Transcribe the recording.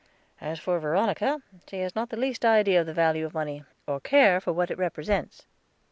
As for Veronica, she has not the least idea of the value of money, or care for what it represents."